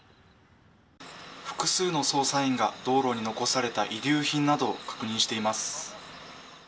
複数の捜査員が道路に残された遺留品などを確認しています。